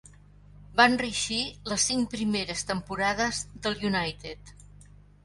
Van reeixir les cinc primeres temporades del United.